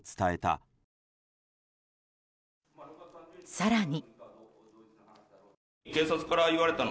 更に。